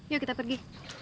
yuk kita pergi